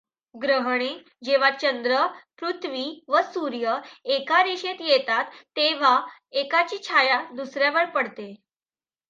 ग्रहणे जेव्हा चंद्र, पृथ्वी व सूर्य एका रेषेत येतात, तेव्हा एकाची छाया दुसऱ्यावर पडते.